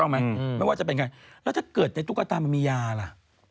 ไม่ว่าจะเป็นใครแล้วถ้าเกิดในตุ๊กตามันมียาล่ะ